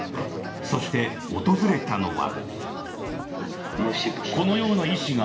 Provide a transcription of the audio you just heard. そして、訪れたのは。